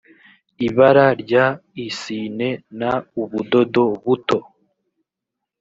ibara ry isine n ubudodo buto